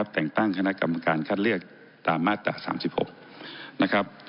แต่งตั้งคณะกรรมการคัดเลือกตามมาตรา๓๖นะครับ